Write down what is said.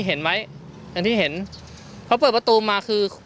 เห็นไหมพอเปิดประตูมาคือ